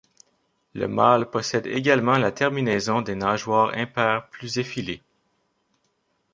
Le mâle possède également la terminaison des nageoires impaires plus effilées.